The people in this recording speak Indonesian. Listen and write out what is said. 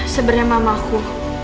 sebenarnya mama aku